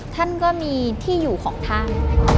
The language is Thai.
ท่านก็มีที่อยู่ของท่าน